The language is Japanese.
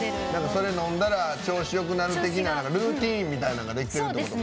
それ飲んだら調子よくなる的なルーティンみたいなのができてるってことか。